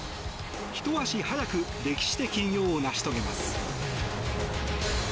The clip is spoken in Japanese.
ひと足早く歴史的偉業を成し遂げます。